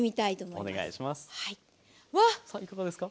さあいかがですか？